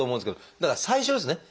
だから最初ですね。